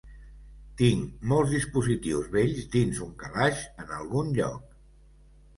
Tinc molts dispositius vells dins un calaix en algun lloc.